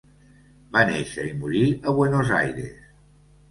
Va néixer i morir a Buenos Aires.